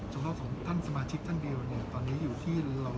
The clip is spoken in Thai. เฉพาะของท่านสมาชิกท่านเดียวเนี่ยตอนนี้อยู่ที่เรา